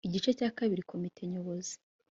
igice cya kabiri komite nyobozi